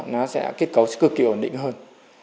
nó sẽ kết cấu cực kỳ ổn định hơn